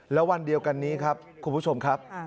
แล้ววันเดียวกันนี้ครับคุณผู้ชมครับ